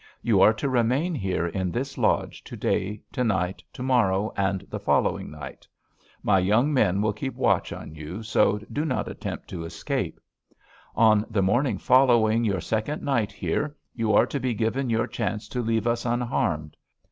You are to remain here in this lodge to day, to night, to morrow, and the following night. My young men will keep watch on you, so do not attempt to escape. On the morning following your second night here, you are to be given your chance to leave us unharmed.